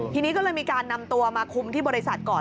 ทีนี้ก็เลยมีการนำตัวมาคุมที่บริษัทก่อน